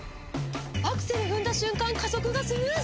アクセル踏んだ瞬間加速がスムーズ！